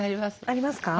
ありますか。